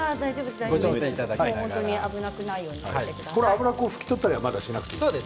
油を拭き取ったりしなくていいですか？